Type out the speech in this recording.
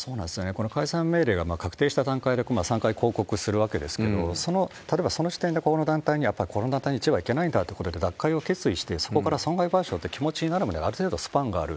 この解散請求命令確定した段階で、３回抗告するわけですけれども、その時点で、この団体にいけないんだっていうことで、奪回を決意して、そこから損害賠償って気持ちになるまで、ある程度スパンがある。